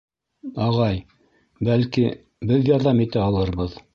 — Ағай, бәлки, беҙ ярҙам итә алырбыҙ.